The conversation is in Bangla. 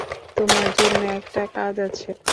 তোমার জন্য একটা কাজ আছে।